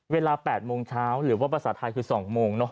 เวลา๘โมงเช้าหรือว่าภาษาไทยคือ๒โมง